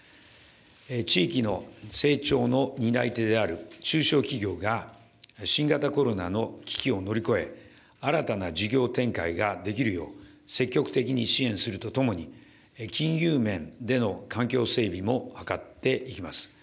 地域の成長の担い手である中小企業が新型コロナの危機を乗り越え、新たな事業展開ができるよう、積極的に支援するとともに、金融面での環境整備も図っていきます。